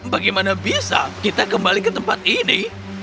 bagaimana bisa kita kembali ke tempat ini